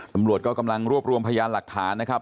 ตำรวจก็กำลังรวบรวมพยานหลักฐานนะครับ